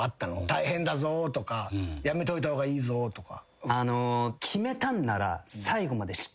大変だぞとかやめといた方がいいぞとか。